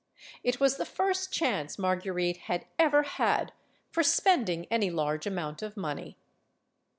It was the first chance Mar guerite had ever had for spending any large amount of money.